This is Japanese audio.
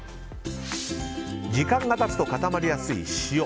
時間が経つと固まりやすい塩。